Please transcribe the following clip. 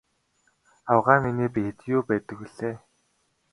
Авгай миний биед юу байдаг билээ?